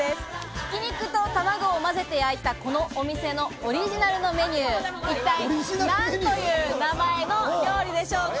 挽き肉と卵をまぜて焼いたこのお店のオリジナルのメニュー、一体何という名前の料理でしょうか？